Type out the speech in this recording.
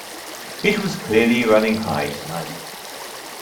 It was clearly running high tonight.